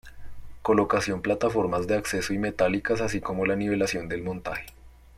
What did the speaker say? Colocación plataformas de acceso y metálicas así como la nivelación del montaje.